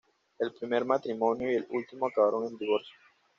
El primer matrimonio y el último acabaron en divorcio.